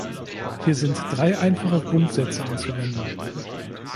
Hier sind drei einfache Grundsätze anzuwenden.